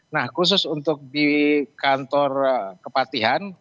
nah khusus untuk di kantor kepatihan